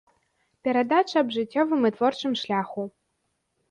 Перадача аб жыццёвым і творчым шляху.